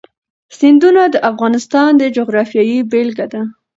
سیندونه د افغانستان د جغرافیې بېلګه ده.